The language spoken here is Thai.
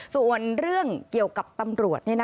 ส่วนเรื่องเกี่ยวกับตำรวจ